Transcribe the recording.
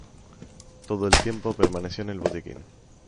Todo el tiempo permaneció en el botiquín.